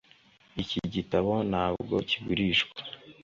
Iki gitabo ntabwo kigurishwa